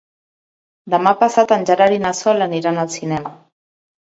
Demà passat en Gerard i na Sol aniran al cinema.